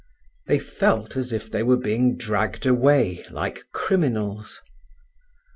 They felt as if they were being dragged away like criminals.